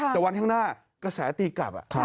แต่วันข้างหน้ากระแสตีกลับ